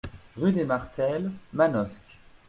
Rue des Martels, Manosque